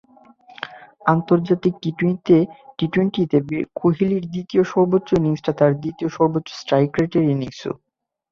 আন্তর্জাতিক টি-টোয়েন্টিতে কোহলির দ্বিতীয় সর্বোচ্চ ইনিংসটা তাঁর দ্বিতীয় সর্বোচ্চ স্ট্রাইক রেটের ইনিংসও।